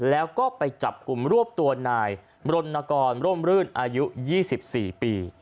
แล้วก็ไปจับกลุ่มรวบตัวนายบรณกรร่มรื่นอายุ๒๔ปี